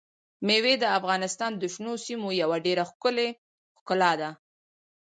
مېوې د افغانستان د شنو سیمو یوه ډېره ښکلې ښکلا ده.